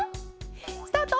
スタート！